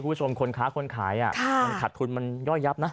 คุณผู้ชมคนค้าคนขายขาดทุนมันย่อยยับนะ